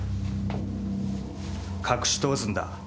隠し通すんだ。